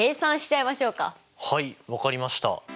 はい分かりました。